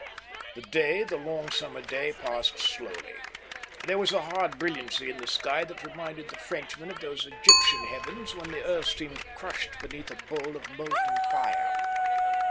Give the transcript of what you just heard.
The day, the long summer day, passed slowly. There was a hard brilliancy in the sky that reminded the Frenchman of those Egyptian heavens when the earth seemed crushed beneath a bowl of molten fire.